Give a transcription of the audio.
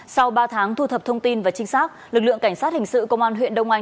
sau ba tháng thu thập thông tin và trinh sát lực lượng cảnh sát hình sự công an huyện đông anh